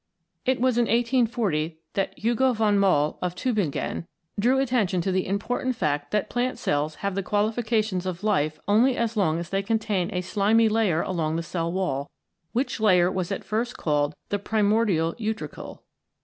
It was in 1840 that Hugo von Mohl, of Tubingen, drew attention to the important fact that plant cells have the qualifications of life only as long as they contain a slimy layer along the cell wall, which layer was at first called the Primordial Utricle.